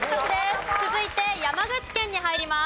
続いて山口県に入ります。